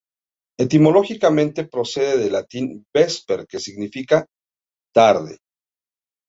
Etimológicamente procede del latín "vesper", que significa "tarde".